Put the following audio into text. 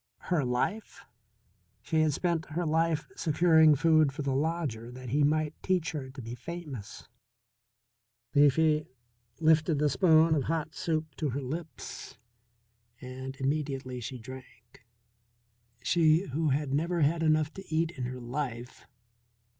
Her life? She had spent her life securing food for the lodger that he might teach her to be famous. Leafy lifted the spoon of hot soup to her lips and immediately she drank she who had never had enough to eat in her life.